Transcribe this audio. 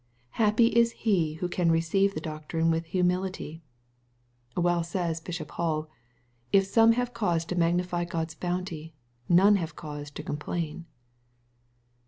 Happy is he who can receive the doctrine with humility ! Well says Bishop Hall, *^ If some have cause to magnify Gk)d's bounty, none have cause to complain."